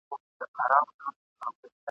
ژونده ستا په غېږ کي زنګېدلم لا مي نه منل !.